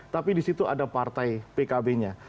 tapi di situ ada partai pkb nya